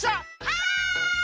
はい！